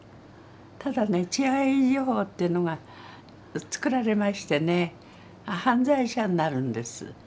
ただね治安維持法っていうのが作られましてね犯罪者になるんです。